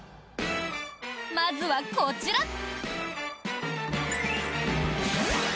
まずは、こちら。